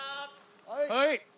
はい。